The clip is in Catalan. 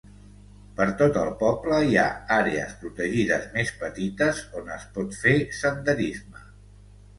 Per tot el poble hi ha àrees protegides més petites on es pot fer senderisme.